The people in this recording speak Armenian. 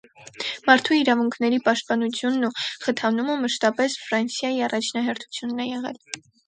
Մարդու իրավունքների պաշտպանությունն ու խթանումը մշտապես Ֆրանսիայի առաջնահերթությունն է եղել: